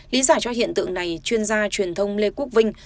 lý giải cho hiện tượng này chuyên gia truyền thông lê quốc vinh